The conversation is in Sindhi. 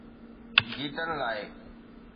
گيتن لاءِ.